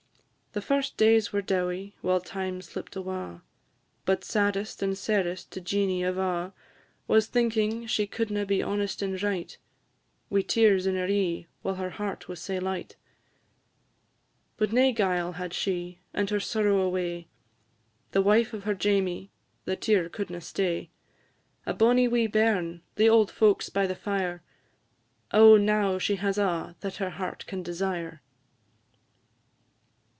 The first days were dowie, while time slipt awa'; But saddest and sairest to Jeanie of a' Was thinking she couldna be honest and right, Wi' tears in her e'e, while her heart was sae light. But nae guile had she, and her sorrow away, The wife of her Jamie, the tear couldna stay; A bonnie wee bairn the auld folks by the fire Oh, now she has a' that her heart can desire!